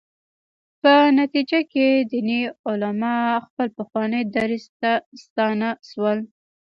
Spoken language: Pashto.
په نتیجه کې دیني علما خپل پخواني دریځ ته ستانه شول.